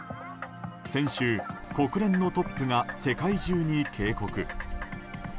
先週、国連のトップが世界中に警告。